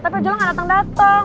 tapi ojol gak datang datang